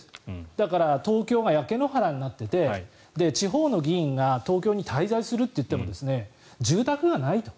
だから東京が焼け野原になっていて地方の議員が東京に滞在すると言っても住宅がないと。